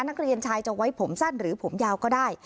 นักเรียนชายจะไว้ผมสั้นหรือผมยาวก็ได้